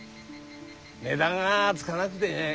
値段がつがなくてね。